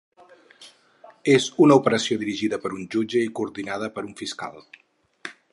És una operació dirigida per un jutge i coordinada per un fiscal.